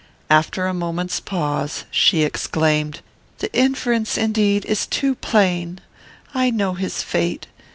After a moment's pause, she exclaimed, "The inference, indeed, is too plain. I know his fate.